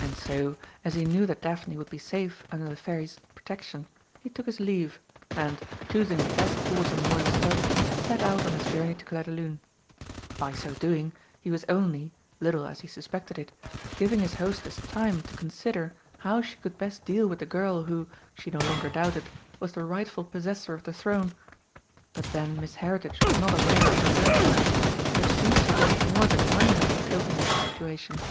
And so, as he knew that Daphne would be safe under the Fairy's protection, he took his leave, and, choosing the best horse in the Royal stud, set out on his journey to Clairdelune. By so doing, he was only little as he suspected it giving his hostess time to consider how she could best deal with the girl who, she no longer doubted, was the rightful possessor of the throne. But then Miss Heritage was not aware of her birthright, which seemed to suggest more than one way of coping with the situation.